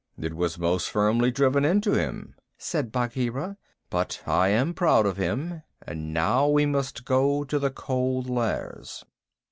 "It was most firmly driven into him," said Bagheera. "But I am proud of him, and now we must go to the Cold Lairs."